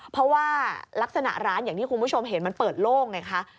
เพราะว่าลักษณะร้านอย่างที่คุณผู้ชมเห็นมันเปิดโล่งไงคะ